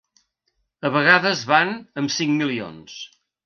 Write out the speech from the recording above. A vegades van amb cinc milions.